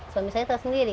suami saya tak sendiri